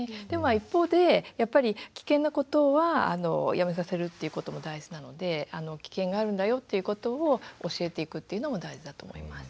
一方でやっぱり危険なことはやめさせるっていうことも大事なので危険があるんだよっていうことを教えていくっていうのも大事だと思います。